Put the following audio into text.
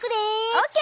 ＯＫ！